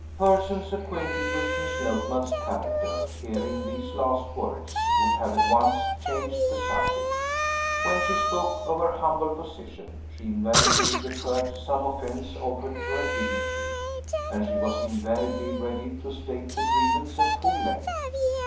Persons acquainted with Miss Notman's character, hearing these last words, would have at once changed the subject. When she spoke of "her humble position," she invariably referred to some offense offered to her dignity, and she was invariably ready to state the grievance at full length.